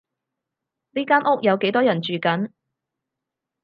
呢間屋有幾多人住緊？